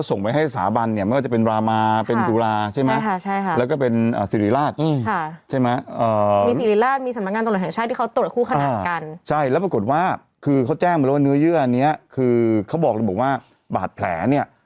ทีนี้มันก็ต้องย้อนกลับไปว่า